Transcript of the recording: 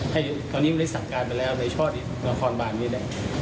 ให้ตอนนี้มันได้สั่งการไปแล้วในชอตรากรบานนี้ได้